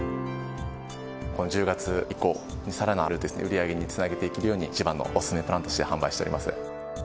１０月以降、さらなる売り上げにつなげていけるように、一番のお勧めプランとして販売しております。